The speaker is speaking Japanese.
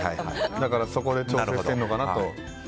だからそこで調整しているのかなと。